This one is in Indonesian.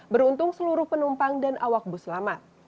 beruntung seluruh penumpang dan awak bus selamat